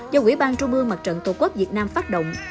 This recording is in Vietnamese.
do quỹ ban trung mương mặt trận tổ quốc việt nam phát động